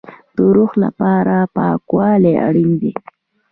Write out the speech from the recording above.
د روح لپاره پاکوالی اړین دی